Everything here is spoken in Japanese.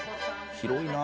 広いな。